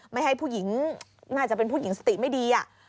ไม่ให้ผู้หญิงน่าจะเป็นผู้หญิงสติไม่ดี